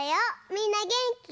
みんなげんき？